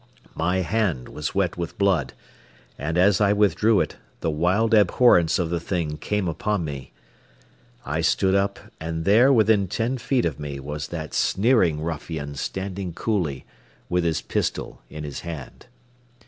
My hand was wet with blood, and as I withdrew it, the wild abhorrence of the thing came upon me. I stood up, and there, within ten feet of me, was that sneering ruffian standing coolly, with his pistol in his hand.